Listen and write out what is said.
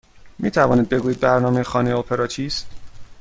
می توانید بگویید برنامه خانه اپرا چیست؟